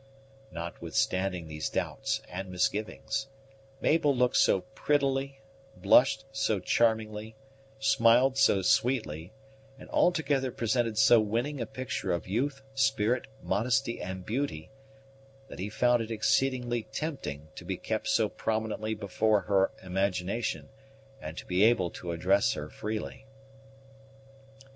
Notwithstanding these doubts and misgivings, Mabel looked so prettily, blushed so charmingly, smiled so sweetly, and altogether presented so winning a picture of youth, spirit, modesty, and beauty, that he found it exceedingly tempting to be kept so prominently before her imagination, and to be able to address her freely.